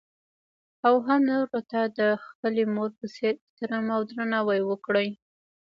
او هـم نـورو تـه د خـپلې مـور پـه څـېـر احتـرام او درنـاوى وکـړي.